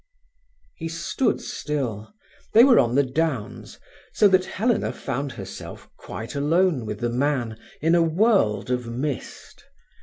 He stood still. They were on the downs, so that Helena found herself quite alone with the man in a world of mist.